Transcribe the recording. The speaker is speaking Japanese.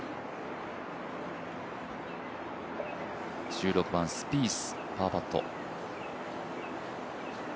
１６番スピース、パーパット。